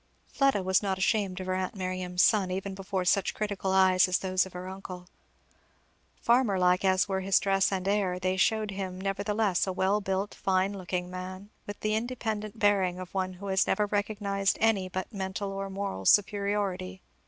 Fleda was not ashamed of her aunt Miriam's son, even before such critical eyes as those of her uncle. Farmer like as were his dress and air, they shewed him nevertheless a well built, fine looking man, with the independent bearing of one who has never recognised any but mental or moral superiority.